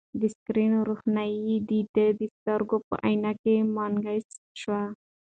د سکرین روښنايي د ده د سترګو په عینکې کې منعکسه شوه.